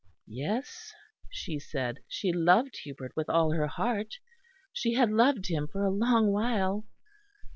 Yes, she said, she loved Hubert with all her heart. She had loved him for a long while.